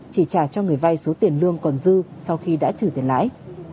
chỉ trả cho người vay số tiền lương còn dư sau khi đã trừ tiền lãi